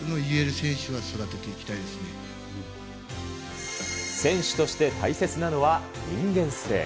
選手として大切なのは人間性。